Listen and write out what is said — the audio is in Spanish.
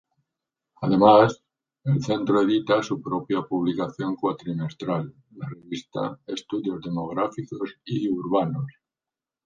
Además, el Centro edita su propia publicación cuatrimestral: la revista "Estudios Demográficos y Urbanos".